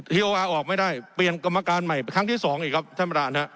ทีโออาร์ออกไม่ได้เปลี่ยนกรรมการใหม่ไปครั้งที่สองอีกครับ